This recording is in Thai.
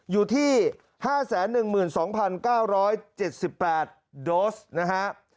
อยู่ที่๕๑๒๙๗๘โดสนะครับ